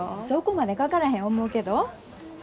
そこまでかからへん思うけど。